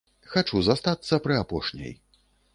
Хачу застацца пры апошняй.